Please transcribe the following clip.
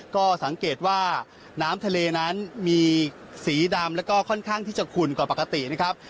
ก็สังเกตว่าน้ำทะเลนั้นมีสีดำแล้วก็ค่อนข้างที่จะขุ่นกว่าปกตินะครับ